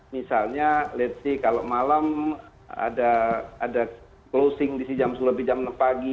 misalnya ⁇ lets ⁇ say kalau malam ada closing di sini jam sepuluh lebih jam enam pagi